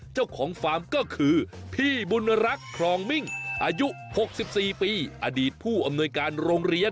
เจ้าของฟาร์มก็คือพี่บุญรักครองมิ่งอายุ๖๔ปีอดีตผู้อำนวยการโรงเรียน